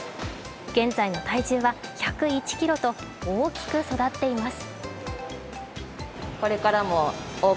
現在の体重は１０１ｋｇと大きく育っています。